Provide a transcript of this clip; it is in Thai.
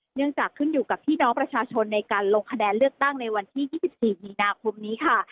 เนื่องจากขึ้นอยู่กับพี่น้องประชาชนในการลงคะแนนเลือกตั้งในวันที่๒๔มีนาคมนี้ค่ะ